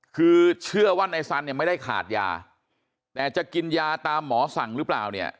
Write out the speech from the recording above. คือเชื่อว่าในสันเนี่ยไม่ได้ขาดยาแต่จะกินยาตามหมอสั่งหรือเปล่าเนี่ย